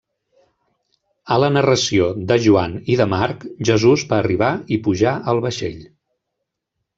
A la narració de Joan i de Marc Jesús va arribar i pujar al vaixell.